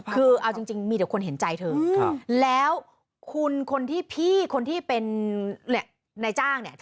คือเอาจริงมีแต่คนเห็นใจเธอแล้วคนที่เป็นในจ้างเนี่ย